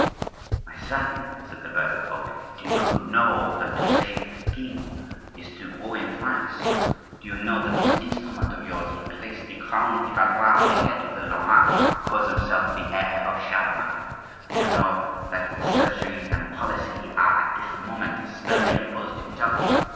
"My son," said the burgher, boldly, "do you know that to save the king is to ruin France? Do you know that this instrument of yours will place the crown of the Valois on the head of the Lorrain who calls himself the heir of Charlemagne? Do you know that surgery and policy are at this moment sternly opposed to each other?